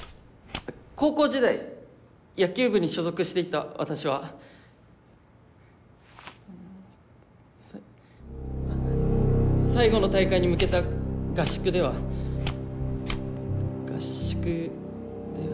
高校時代野球部に所属していた私はさ最後の大会に向けた合宿では合宿で。